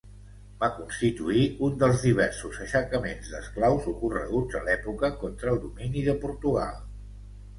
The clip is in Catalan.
Va constituir un dels diversos aixecaments d'esclaus ocorreguts a l'època contra el domini de Portugal.